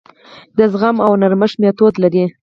د زغم او نرمښت میتود لري.